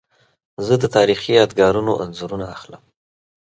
زه د تاریخي یادګارونو انځورونه اخلم.